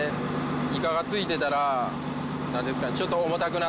イカがついてたらなんですかねちょっと重たくなって。